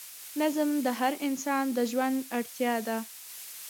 نظم د هر انسان د ژوند اړتیا ده.